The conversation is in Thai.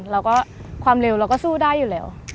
แล้วก็ความเร็วเราก็สู้ได้อยู่แล้ว